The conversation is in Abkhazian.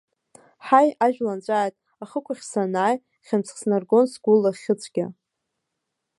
Ҳаи, ажәла нҵәааит, ахықәахь санааи, хьымӡӷ снаргон сгәы лахьыцәгьа.